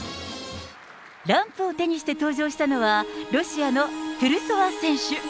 ランプを手にして登場したのは、ロシアのトゥルソワ選手。